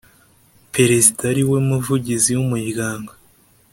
Perezida ariwe Muvugizi w Umuryango